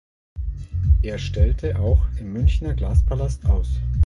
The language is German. Er stellte auch im Münchner Glaspalast aus.